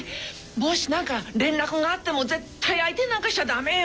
もし何か連絡があっても絶対相手になんかしちゃ駄目よ。